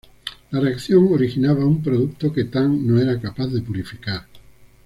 La reacción originaba un producto que Than no era capaz de purificar.